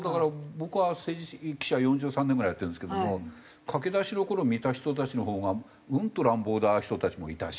僕は政治記者を４３年ぐらいやってるんですけども駆け出しの頃見た人たちのほうがもっと乱暴な人たちもいたし。